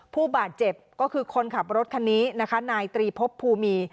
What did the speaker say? ผู้บาดเจ็บก็คือคนขับรถคันนี้นะคะนายตรีพบภูมี